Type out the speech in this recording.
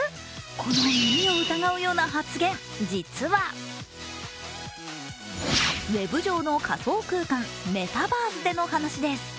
この耳を疑うような発言、実はウェブ上の仮想空間・メタバースでの話です。